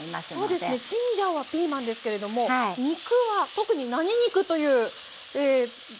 そうですねチンジャオはピーマンですけれども肉は特に何肉という名前はついていないので。